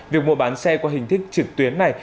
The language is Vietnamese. việc mua bán xe qua hình thức trực tuyến này